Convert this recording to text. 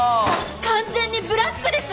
完全にブラックです！